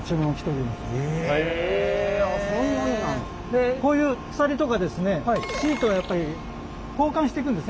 でこういう鎖とかですねシートはやっぱり交換してくんですねやっぱ摩耗するんで。